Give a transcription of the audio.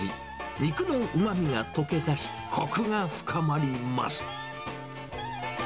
肉のうまみが溶け出し、こくが深まります。